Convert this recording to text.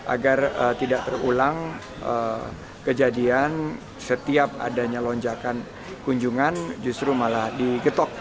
agar tidak terulang kejadian setiap adanya lonjakan kunjungan justru malah diketok